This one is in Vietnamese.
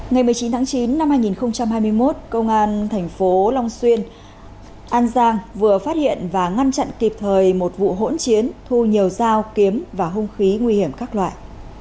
ngày một mươi chín tháng chín năm hai nghìn hai mươi một công an thành phố long xuyên an giang vừa phát hiện và ngăn chặn kịp thời một vụ hỗn chiến thu nhiều dao kiếm và hung khí nguy hiểm các loại